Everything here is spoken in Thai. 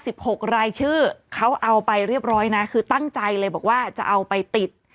หกรายชื่อเขาเอาไปเรียบร้อยนะคือตั้งใจเลยบอกว่าจะเอาไปติด